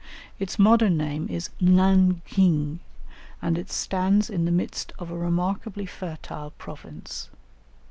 Its modern name is Ngan khing, and it stands in the midst of a remarkably fertile province.